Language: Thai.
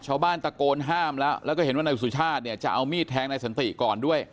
ชาวบ้านตะโกนห้ามแล้วแล้วก็เห็นว่านายสุชาติเนี่ยจะเอามีดแทงนายสันติก่อนด้วย